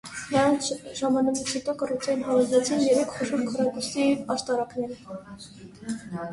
Նրանց ժամանումից հետո կառույցին հավելվեցին երեք խոշոր քառակուսի աշտարակները։